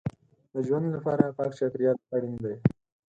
د ژوند لپاره پاک چاپېریال اړین دی.